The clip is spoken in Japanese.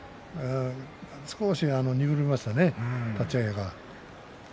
少しに鈍りましたね立ち合いが。